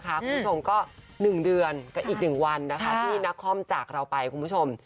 คุณผู้ชมก็หนึ่งเดือนก็อีกหนึ่งวันนะคะที่นักคล่อมจากเราไปคุณผู้ชม